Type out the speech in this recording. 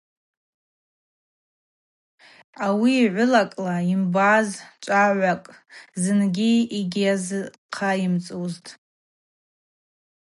Ауи йгӏвылакӏла йымбаз чӏвагӏвакӏ зынгьи йгьазхъайымцӏузтӏ.